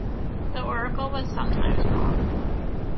The oracle was sometimes wrong.